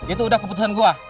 itu udah keputusan gua